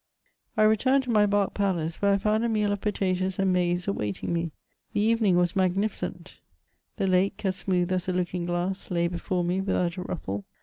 I returned to my barh palace, where I found a meal of potatoes and maize awaiting me. The evening was magnificent ; the lake, as smooth as a looking glass, lay before me without a ruffle.